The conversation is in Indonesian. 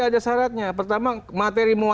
ada syaratnya pertama materi